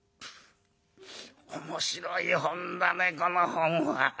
「面白い本だねこの本は。